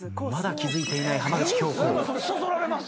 まだ気付いていない浜口京子。